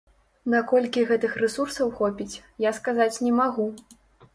Наколькі гэтых рэсурсаў хопіць, я сказаць не магу.